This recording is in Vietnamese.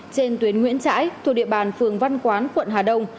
trên tuyến nguyễn trãi thuộc địa bàn phường văn quán quận hà đông